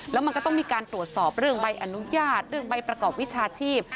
แล้วมันก็ต้องมีการตรวจสอบเรื่องใบอนุญาตเรื่องใบประกอบวิชาชีพ